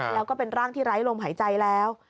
แล้วก็เป็นร่างที่ไร้ลมหายใจแล้ว